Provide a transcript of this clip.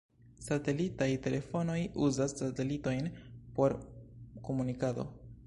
Satelitaj telefonoj uzas satelitojn por komunikado.